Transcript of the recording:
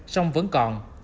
song vẫn còn